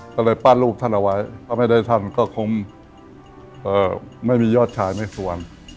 ก็เลยปั้นรูปท่านเอาไว้ก็ไม่ได้ท่านก็คงไม่มียอดชายไม่สวรรณ